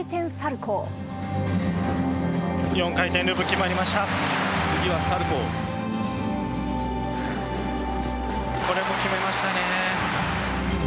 これも決めましたね。